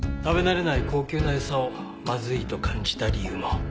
食べ慣れない高級なエサをまずいと感じた理由も。